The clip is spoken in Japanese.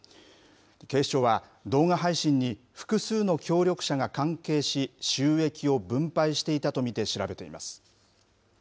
警視庁は、動画配信に複数の協力者が関係し、収益を分配していたと見て、調べています。